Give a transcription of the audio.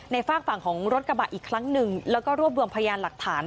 ฝากฝั่งของรถกระบะอีกครั้งหนึ่งแล้วก็รวบรวมพยานหลักฐาน